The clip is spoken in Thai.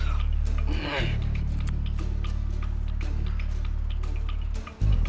ที่ไม่มีเวลา